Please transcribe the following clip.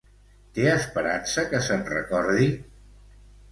Té esperança que se'n recordi?